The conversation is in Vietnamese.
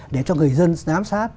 để cho người dân giám sát